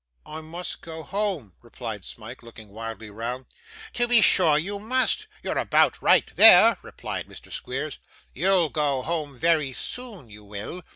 'I must go home,' replied Smike, looking wildly round. 'To be sure you must. You're about right there,' replied Mr. Squeers. 'You'll go home very soon, you will.